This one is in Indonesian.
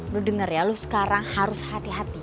lu denger ya lu sekarang harus hati hati